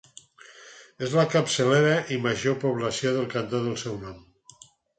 És la capçalera i major població del cantó del seu nom.